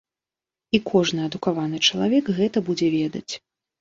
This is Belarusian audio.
І кожны адукаваны чалавек гэта будзе ведаць.